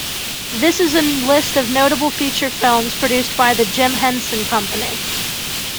This is a list of notable feature films produced by The Jim Henson Company.